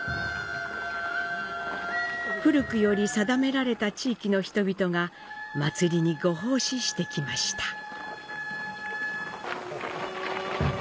古くより定められた地域の人々が祭りにご奉仕してきました。